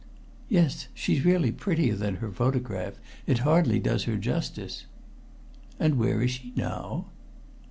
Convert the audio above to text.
"Yes. She's really prettier than her photograph. It hardly does her justice." "And where is she now?"